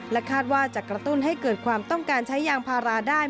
คาดว่าจะกระตุ้นให้เกิดความต้องการใช้ยางพาราได้